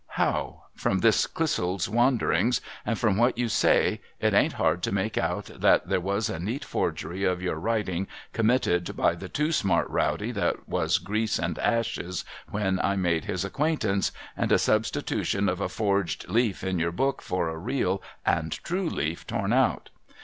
How ? From this Clissold's wanderings, and from what you say, it ain't hard to make out that there was a neat forgery of your writing committed by the too smart rowdy that was grease and ashes when I made his acquaint ance, and a substitution of a forged leaf in your book for a real and true leaf torn out.